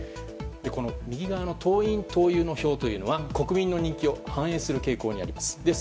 右側の党員・党友の票は国民の人気を反映する傾向にあります。